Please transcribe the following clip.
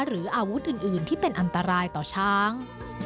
หรืออาวุธอื่นที่เป็นอันตรายต่อช้าง